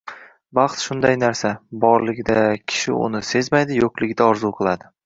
Baxt shunday narsa: borligida kishi uni sezmaydi, yo‘qligida orzu qiladi.